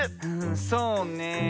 そうねえ。